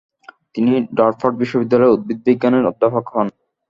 তিনি ডরপাট বিশ্ববিদ্যালয়ের উদ্ভিদ বিজ্ঞানের অধ্যাপক হন।